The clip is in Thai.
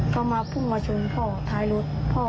ก็มาพุ่งมาชุมพ่อท้ายรถพ่อนั่งคล่องอยู่ตรงรถพ่อล้มลง